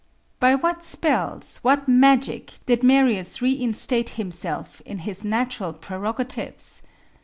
By what spells, what magic, did Marius reinstate himself in his natural prerogatives?